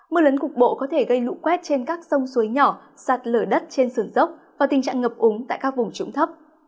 mưa lớn cục bộ có thể gây lũ quét trên các sông suối nhỏ sạt lở đất trên sườn dốc và tình trạng ngập úng tại các vùng trũng thấp